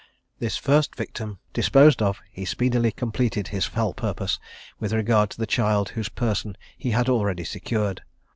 This first victim disposed of, he speedily completed his fell purpose, with regard to the child whose person he had already secured.